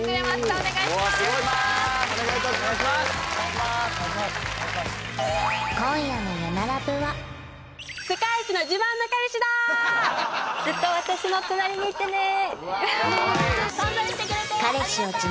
お願いします